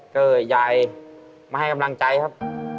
ก็ยายมาให้กำลังใจครับ